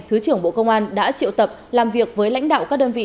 thứ trưởng bộ công an đã triệu tập làm việc với lãnh đạo các đơn vị